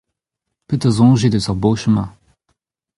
Petra a soñjit eus ar botoù-mañ ?